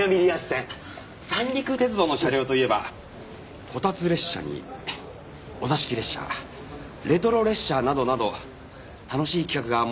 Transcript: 三陸鉄道の車両といえばこたつ列車にお座敷列車レトロ列車などなど楽しい企画が盛りだくさんなんですよね。